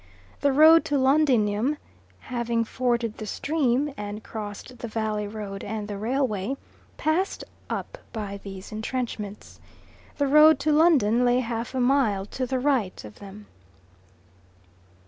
The road to Londinium, having forded the stream and crossed the valley road and the railway, passed up by these entrenchments. The road to London lay half a mile to the right of them.